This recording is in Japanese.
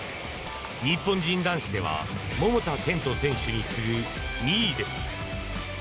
日本人男子では桃田賢斗選手に次ぐ２位です。